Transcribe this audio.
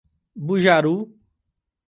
Bujaru